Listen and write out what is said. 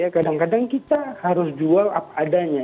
kadang kadang kita harus jual apa adanya